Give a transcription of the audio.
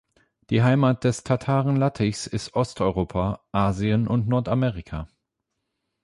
Die Heimat des Tataren-Lattichs ist Osteuropa, Asien und Nordamerika.